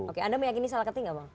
oke anda meyakini salah ketik nggak bang